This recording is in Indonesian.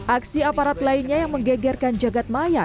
aksi aparat lainnya yang menggegerkan jagadmaya